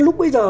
lúc bây giờ